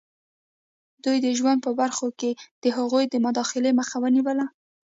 دوی د ژوند په برخو کې د هغوی د مداخلې مخه ونیوله.